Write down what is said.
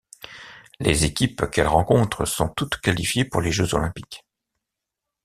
Les équipes qu'elle rencontre sont toutes qualifiées pour les jeux olympiques.